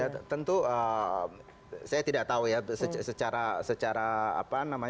ya tentu saya tidak tahu ya